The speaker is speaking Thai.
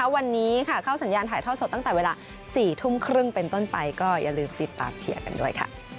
วันนี้เข้าสัญญาณถ่ายทอดสดตั้งแต่เวลา๔ทุ่มครึ่งเป็นต้นไปก็อย่าลืมติดตามเชียร์กันด้วยค่ะ